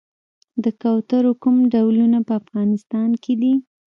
د کوترو کوم ډولونه په افغانستان کې دي؟